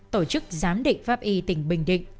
tổ chức giám định pháp y tỉnh bình định